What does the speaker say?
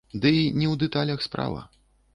Дый не ў дэталях справа.